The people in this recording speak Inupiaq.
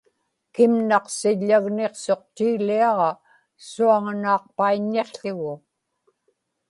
kimnaqsiḷḷagniqsuq tiiliaġa suaŋanaaqpaiññiqł̣ugu